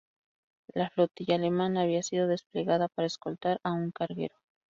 La flotilla alemana había sido desplegada para escoltar a un carguero.